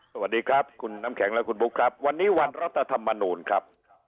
สวัสดีครับคุณน้ำแข็งและคุณบุ๊คครับวันนี้วันรัฐธรรมนูลครับ